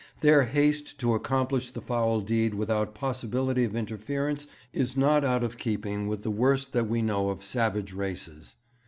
Their haste to accomplish the foul deed without possibility of interference is not out of keeping with the worst that we know of savage races.